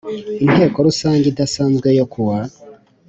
Inteko Rusange idasanzwe yo kuwa